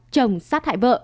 chồng sát hại vợ